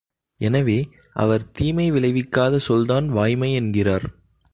எனவே, அவர் தீமை விளைவிக்காத சொல்தான் வாய்மை என்கிறார்.